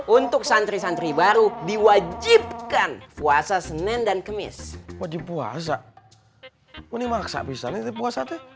untuk santri santri baru diwajibkan puasa senin dan kemis uji puasa tuh